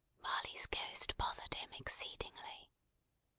Marley's Ghost bothered him exceedingly.